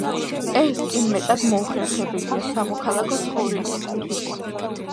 ეს კი მეტად მოუხერხებელია სამოქალაქო ცხოვრებისათვის.